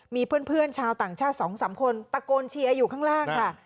มีเพื่อนชาวต่างชาติ๒๓คนตะโกนเชียร์อยู่ข้างล่างค่ะ